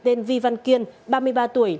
tên vi văn kiên ba mươi ba tuổi